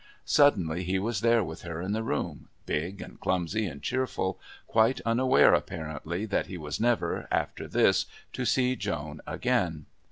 Suddenly he was there with her in the room, big and clumsy and cheerful, quite unaware apparently that he was never, after this, to see Joan again.